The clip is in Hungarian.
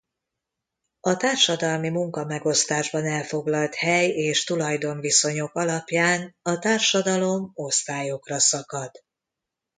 A társadalmi munkamegosztásban elfoglalt hely- és tulajdonviszonyok alapján a társadalom osztályokra szakad.